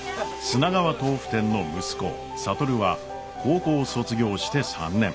砂川とうふ店の息子智は高校を卒業して３年。